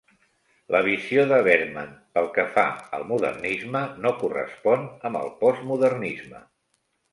La visió de Berman pel que fa al modernisme no correspon amb el post-modernisme.